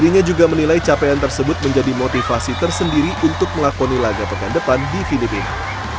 dirinya juga menilai capaian tersebut menjadi motivasi tersendiri untuk melakoni laga pekan depan di filipina